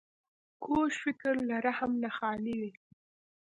کوږ فکر له رحم نه خالي وي